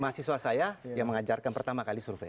mahasiswa saya yang mengajarkan pertama kali survei